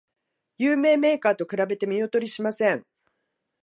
有名メーカーと比べて見劣りしません